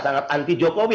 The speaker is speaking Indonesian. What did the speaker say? sangat anti jokowi